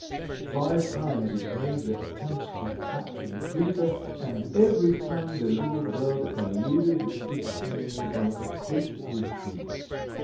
Five times it made the attempt to capture the creeper, and every time the little bird eluded its enemy by a quick retreat.